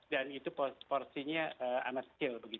dan itu porsinya amat kecil